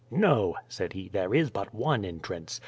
"No," said he; "there is but one entrance.